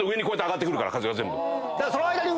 風が全部。